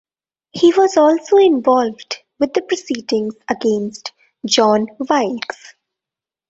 He was also involved with the proceedings against John Wilkes.